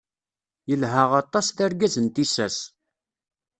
Yelha aṭas d argaz n tissas.